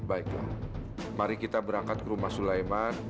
baiklah mari kita berangkat ke rumah sulaiman